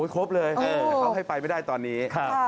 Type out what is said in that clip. ครบเลยแต่เขาให้ไปไม่ได้ตอนนี้